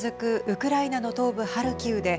ウクライナの東部ハルキウで